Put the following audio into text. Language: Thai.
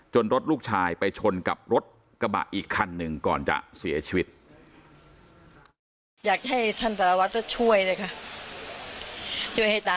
รถลูกชายไปชนกับรถกระบะอีกคันหนึ่งก่อนจะเสียชีวิต